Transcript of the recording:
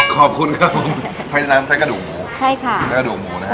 ขอบคุณครับผมเพราะฉะนั้นใช้กระดูกหมูใช่ค่ะใช้กระดูกหมูนะฮะ